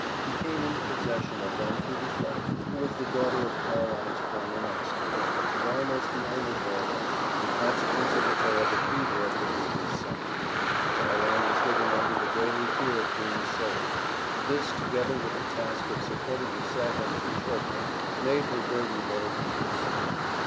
He came into possession of them through his wife, who was the daughter of Caroline's former master, and almost the only heir left, in consequence of the terrible fever of the previous summer. Caroline was living under the daily fear of being sold; this, together with the task of supporting herself and two children, made her burden very grievous.